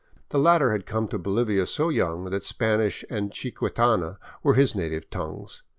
The latter had come to Bolivia so young that Spanish and chiquitana were his native tongues.